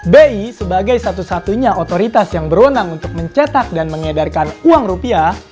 bi sebagai satu satunya otoritas yang berwenang untuk mencetak dan mengedarkan uang rupiah